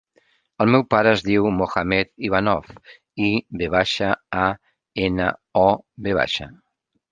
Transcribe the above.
El meu pare es diu Mohammed Ivanov: i, ve baixa, a, ena, o, ve baixa.